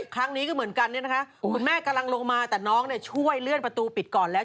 ครั้งนี้ก็เหมือนกันเนี่ยนะคะคุณแม่กำลังลงมาแต่น้องช่วยเลื่อนประตูปิดก่อนแล้ว